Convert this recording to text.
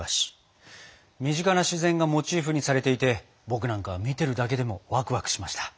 身近な自然がモチーフにされていて僕なんかは見てるだけでもワクワクしました。